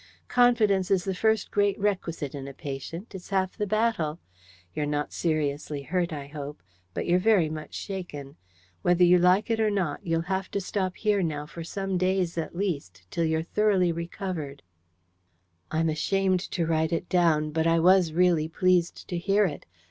"Confidence is the first great requisite in a patient: it's half the battle. You're not seriously hurt, I hope, but you're very much shaken. Whether you like it or not, you'll have to stop here now for some days at least, till you're thoroughly recovered." I'm ashamed to write it down; but I was really pleased to hear it.